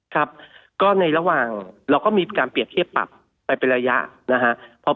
ครับก็ในระหว่างเราก็มีการเปรียบเทียบปรับไปเป็นระยะนะฮะ